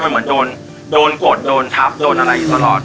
มันเหมือนโดนกดโดนทับโดนอะไรอยู่ตลอด